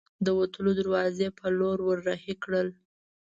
د وتلو دروازې په لور ور هۍ کړل.